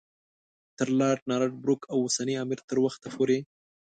تر لارډ نارت بروک او اوسني امیر تر وخته پورې.